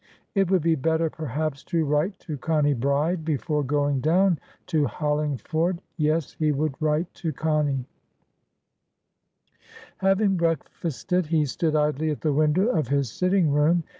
It would be better, perhaps, to write to Connie Bride before going down to Hollingford. Yes, he would write to Connie. Having breakfasted, he stood idly at the window of his sitting room.